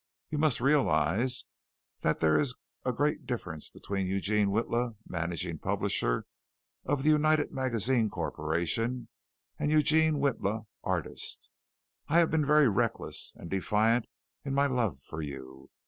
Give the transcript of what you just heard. You must realize that there is a great difference between Eugene Witla, Managing Publisher of the United Magazines Corporation, and Eugene Witla, Artist. I have been very reckless and defiant in my love for you.